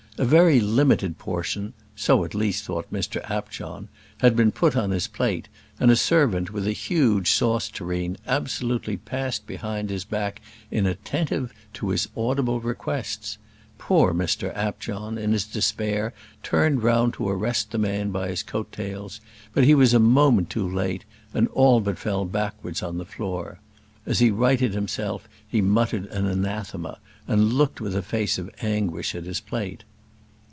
A very limited portion so at least thought Mr Apjohn had been put on his plate; and a servant, with a huge sauce tureen, absolutely passed behind his back inattentive to his audible requests. Poor Mr Apjohn in his despair turned round to arrest the man by his coat tails; but he was a moment too late, and all but fell backwards on the floor. As he righted himself he muttered an anathema, and looked with a face of anguish at his plate.